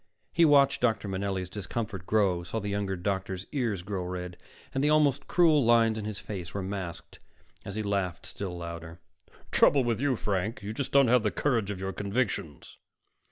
He watched Dr. Manelli's discomfort grow, saw the younger doctor's ears grow red, and the almost cruel lines in his face were masked as he laughed still louder. "Trouble with you, Frank, you just don't have the courage of your convictions."